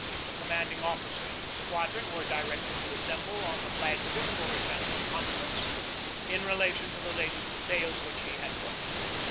The commanding officers of the squadron were directed to assemble on the flag ship for a general conference in relation to the latest details which he had brought.